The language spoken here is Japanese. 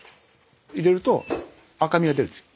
入れると赤みが出るんですよ。